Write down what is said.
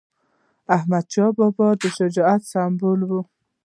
احمدشاه بابا د شجاعت سمبول و.